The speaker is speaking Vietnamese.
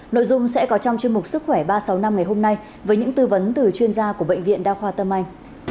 nội dung sẽ có trong chương mục sức khỏe ba sáu năm ngày hôm nay với những tư vấn từ chuyên gia của bệnh viện đa khoa tâm anh